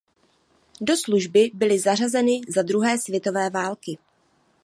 Do služby byly zařazeny za druhé světové války.